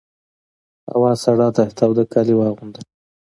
هوا سړه ده تاوده کالي واغونده!